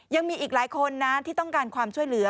ยังมีอีกหลายคนนะที่ต้องการความช่วยเหลือ